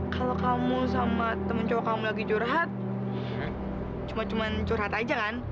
kalau kamu sama temen cowok kamu lagi curhat cuma cuma curhat aja kan